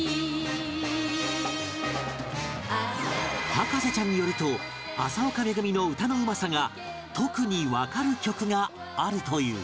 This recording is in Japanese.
博士ちゃんによると麻丘めぐみの歌のうまさが特にわかる曲があるという